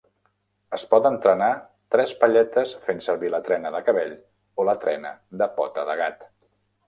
Es poden trenar tres palletes fent servir la trena de cabell o la trena de pota de gat.